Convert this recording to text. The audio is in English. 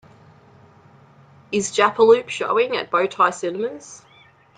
Is Jappeloup showing at Bow Tie Cinemas